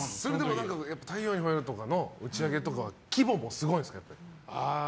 「太陽にほえろ！」とかの打ち上げとかは規模もすごいんですか。